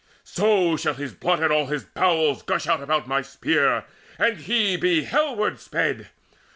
So shall his blood and all his bowels gush out About my spear, and he be hellward sped!